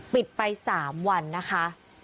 ปิดไป๓วันนะคะ